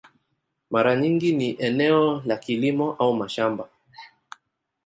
Mara nyingi ni eneo la kilimo au mashamba.